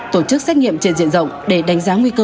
tổ chức xét nghiệm trên diện rộng để đánh giá nguy cơ